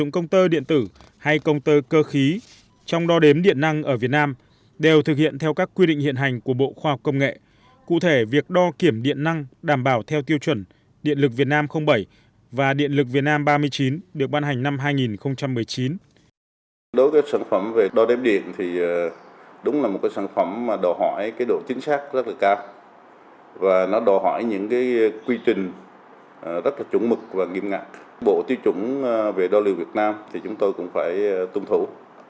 quy trình rất là trúng mực và nghiêm ngạc bộ tiêu chuẩn về đo lượng việt nam thì chúng tôi cũng phải tuân thủ